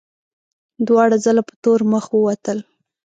دواړه ځله په تور مخ ووتل.